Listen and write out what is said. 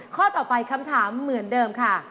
ข้อต่อไปคำถามเหมือนเดิมค่ะ